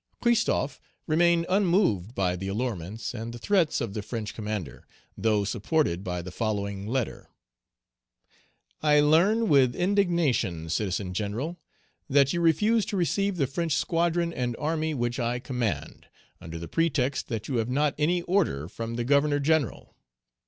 Christophe remained unmoved by the allurements and the threats of the French commander, though supported by the following letter : "I learn with indignation, Citizen General, that you refuse to receive the French squadron and army which I command, under Page 162 the pretext that you have not any order from the Governor General.